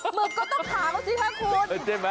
หมึกก็ต้องขาวสิบ้างคุณ